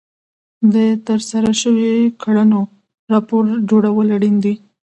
د ترسره شوو کړنو راپور جوړول اړین دي.